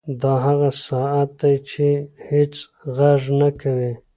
دا هغه ساعت دی چې هېڅ غږ نه کوي.